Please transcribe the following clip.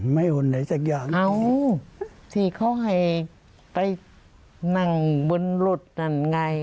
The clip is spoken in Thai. ไม่โอนไหนสักอย่างอ้าวทีเขาให้ไปนั่งบุญหลุดนั่นไง